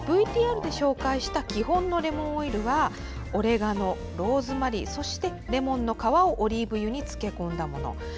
ＶＴＲで紹介した基本のレモンオイルはオレガノ、ローズマリーそしてレモンの皮をオリーブ油に漬け込んだもの。